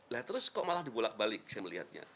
lah terus kok malah dibolak balik saya melihatnya